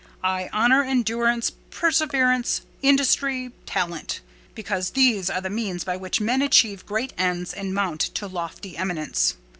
I honour endurance, perseverance, industry, talent; because these are the means by which men achieve great ends and mount to lofty eminence.